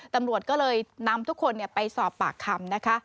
ตำรวจก็เลยนำทุกคนไปสอบปากคำนะคะ